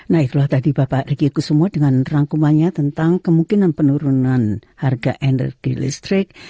nah kalau tadi bapak riki kusumo dengan rangkumannya tentang kemungkinan penurunan harga energi listrik